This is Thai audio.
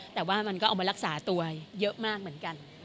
แต่ว่ามันก็เอามารักษาตัวเยอะมากเหมือนกัน